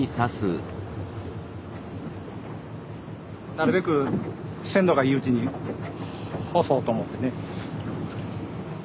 なるべく鮮度がいいうちに干そうと思ってね。